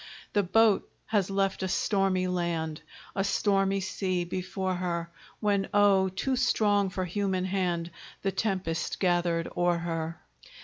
The boat has left a stormy land, A stormy sea before her, When, oh! too strong for human hand, The tempest gathered o'er her.